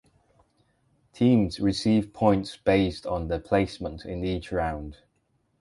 Teams receive points based on their placement in each round.